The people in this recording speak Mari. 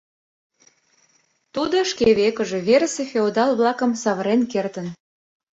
Тудо шке векыже верысе феодал-влакым савырен кертын.